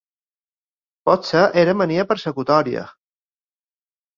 Potser era mania persecutòria.